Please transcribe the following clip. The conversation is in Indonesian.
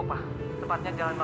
ibu senang sama kamu